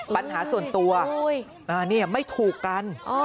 ปัญหาส่วนตัวไม่ถูกกัน